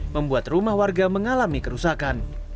membuat rumah warga mengalami kerusakan